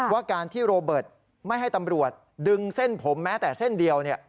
ว่าการที่โรเบิร์ตไม่ให้ตำรวจดึงเส้นผมแม้แต่เส้นเดียว